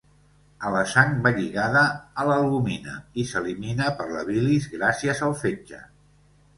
A la sang va lligada a l'albúmina i s'elimina per la bilis gràcies al fetge.